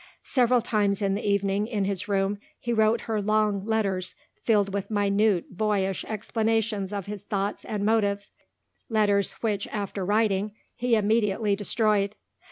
Several times in the evening in his room he wrote her long letters filled with minute, boyish explanations of his thoughts and motives, letters which after writing he immediately destroyed.